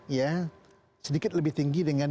ya sedikit lebih tinggi dengan